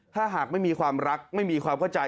ถ้าหากไม่มีความรักไม่มีความเข้าใจ